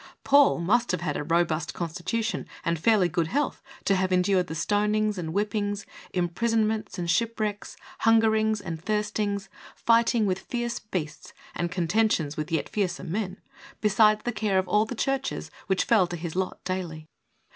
Paul must have had a robust constitution and fairly good health to have endured the stonings and whippings, impris onments and shipwrecks, hungerings and thirstings, fighting with fierce beasts and contentions with yet fiercer men, besides the care of all the churches which fell to his lot daily.